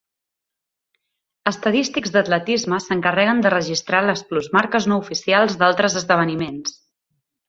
Estadístics d'atletisme s'encarreguen de registrar les plusmarques no oficials d'altres esdeveniments.